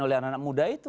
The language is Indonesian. oleh anak anak muda itu